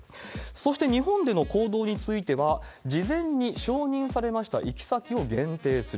そして日本での行動については、事前に承認されました行き先を限定する。